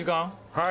はい。